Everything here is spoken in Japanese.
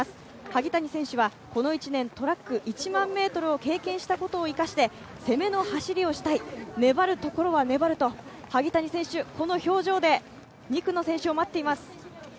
萩谷選手はこの１年、トラック、１００００ｍを経験したことを生かして攻めの走りをしたい、粘るところは粘ると萩谷選手、この表情で２区の選手を待っています。